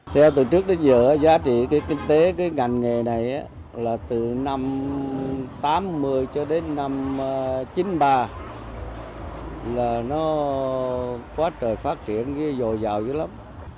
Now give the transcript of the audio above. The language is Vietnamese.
theo từ trước đến giờ giá trị kinh tế ngành nghề này là từ năm tám mươi cho đến năm chín mươi ba là nó quá trời phát triển dồi dào dữ lắm